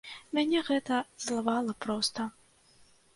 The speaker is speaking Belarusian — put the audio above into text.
Мяне гэта злавала проста.